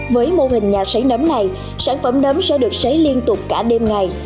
với mô hình nhà sấy nấm này sản phẩm nấm sẽ được sấy liên tục cả đêm ngày